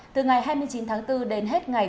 từ ngày hai mươi chín tháng bốn đến hết ngày